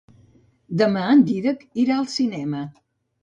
Demà en Dídac irà al cinema.